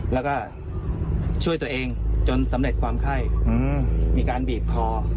แล้วก็ช่วยตัวเองจนสำเร็จความไข้มีการบีบคอ